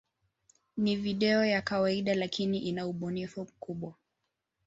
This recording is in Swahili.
Ni video ya kawaida, lakini ina ubunifu mkubwa.